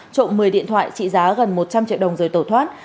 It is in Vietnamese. trộm một mươi điện thoại trị giá gần một trăm linh triệu đồng rồi tổ thoát